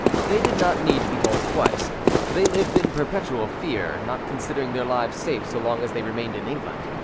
They did not need to be told twice; for they lived in perpetual fear, not considering their lives safe so long as they remained in England.